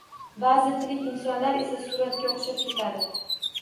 Ba'zi tirik insonlar esa suratga o‘xshab ketadi